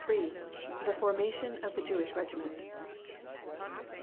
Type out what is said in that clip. THE FORMATION OF THE JEWISH REGIMENT.